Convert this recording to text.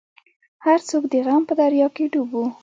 هر څوک د غم په دریا کې ډوب وو.